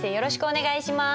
お願いします。